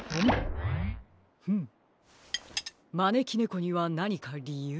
フムまねきねこにはなにかりゆうが？